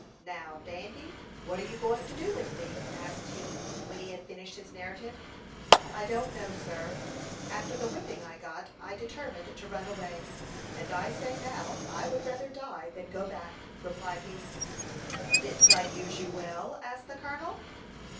"Now, Dandy, what are you going to do with me?" asked he, when he had finished his narrative. "I don't know, sir. After the whipping I got, I determined to run away; and I say now I would rather die than go back," replied he. "Didn't I use you well?" asked the colonel.